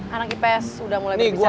anak ips udah mulai berbicara